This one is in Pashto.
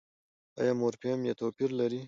ایا مورفیم يې توپیر لري؟